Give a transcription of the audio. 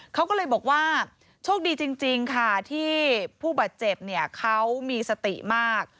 เขาก็เลยบอกว่าโชคดีจริงค่ะที่ผู้บาดเจ็บเนี่ยเขามีสติมาก